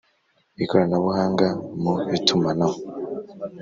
ikoranabuhanga mu itumanaho.